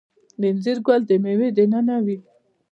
د انځر ګل د میوې دننه وي؟